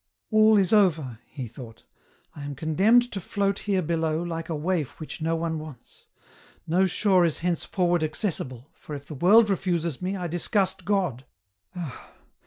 " All is over," he thought ; "I am condemned to float here below, like a waif which no one wants ; no shore is hence forward accessible, for if the world refuses me, I disgust God. Ah